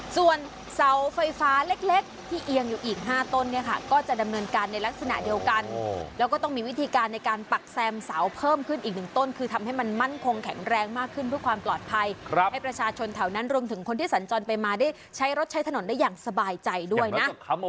ส่วนเสาไฟฟ้าเล็กที่เอียงอยู่อีก๕ต้นเนี่ยค่ะก็จะดำเนินการในลักษณะเดียวกันแล้วก็ต้องมีวิธีการในการปักแซมเสาเพิ่มขึ้นอีกหนึ่งต้นคือทำให้มันมั่นคงแข็งแรงมากขึ้นเพื่อความปลอดภัยให้ประชาชนแถวนั้นรวมถึงคนที่สัญจรไปมาได้ใช้รถใช้ถนนได้อย่างสบายใจด้วยนะ